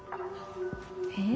ええ？